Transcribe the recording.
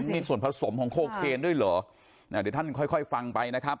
มีส่วนผสมของโคเคนด้วยเหรออ่าเดี๋ยวท่านค่อยค่อยฟังไปนะครับ